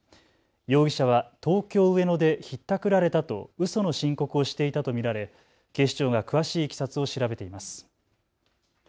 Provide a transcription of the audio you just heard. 容疑者は東京上野でひったくられたとうその申告をしていたと見られ警視庁が詳しいいきさつを調べています。